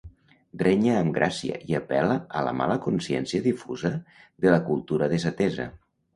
Renya amb gràcia i apel·la a la mala consciència difusa de la cultura desatesa.